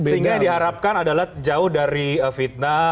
sehingga yang diharapkan adalah jauh dari fitnah